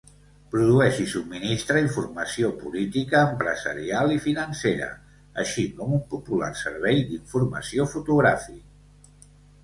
Produeix i subministra informació política, empresarial i financera, així com un popular servei d'informació fotogràfic.